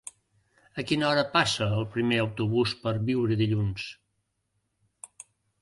A quina hora passa el primer autobús per Biure dilluns?